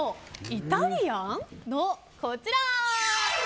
イタリアン？の、こちら。